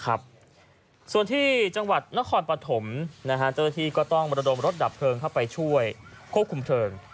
ส่วนที่จังหวัดนครปฐมเจ้าหน้าที่ก็ต้องระดมรถดับเพลิงเข้าไปช่วยควบคุมเพลิง